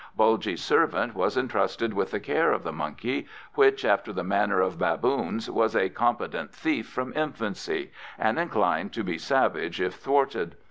Bulgy's servant was entrusted with the care of the monkey, which, after the manner of baboons, was a competent thief from infancy, and inclined to be savage if thwarted.